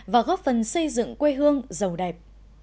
và góp phần xây dựng quê hương giàu đẹp